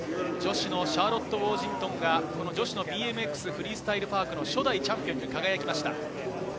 女子のシャーロット・ウォージントンが、女子のＢＭＸフリースタイル・パークの初代チャンピオンに輝きました。